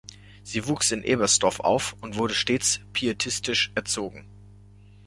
Sie wuchs in Ebersdorf auf und wurde streng pietistisch erzogen.